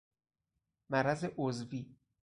مرض عضوی